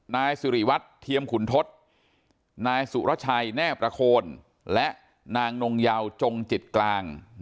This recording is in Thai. นายสิริวัตรเทียมขุนทศนายสุรชัยแน่ประโคนและนางนงเยาวจงจิตกลาง